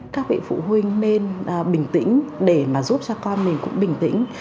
các vị phụ huynh nên bình tĩnh để mà giúp cho con mình cũng bình tĩnh